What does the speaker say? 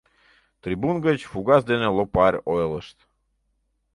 Трибун гыч Фугас дене Лопарь ойлышт.